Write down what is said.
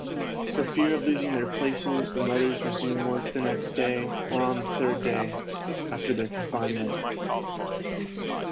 For fear of losing their places, the mothers resume work the next day, or on the third day, after their confinement.